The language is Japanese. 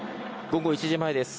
午後１時前です。